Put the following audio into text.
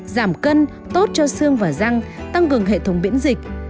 giảm cân tốt cho xương và răng tăng cường hệ thống biễn dịch